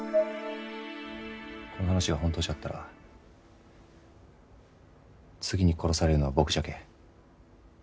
「この話がホントじゃったら次に殺されるのは僕じゃけん」